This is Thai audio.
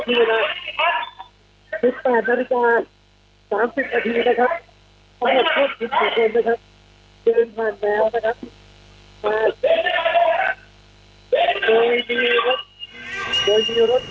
ที่เวลาสิบแปดนาทีกว่าสามสิบนาทีนะครับสี่สิบ